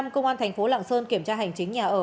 công an thành phố lạng sơn kiểm tra hành chính nhà ở